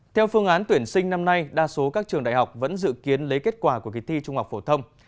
theo phương án tuyển sinh năm nay đa số các trường đại học vẫn dự kiến lấy kết quả của kỳ thi trung học phổ thông